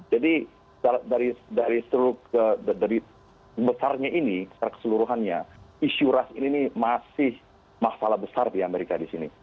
jadi dari seluruh dari besarnya ini dari keseluruhannya isu ras ini masih masalah besar di amerika di sini